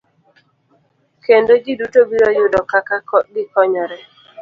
Kendo ji duto biro yudo kaka gikonyore.